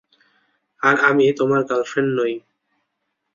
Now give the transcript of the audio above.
আর আমি তোমার গার্লফ্রেন্ড নই!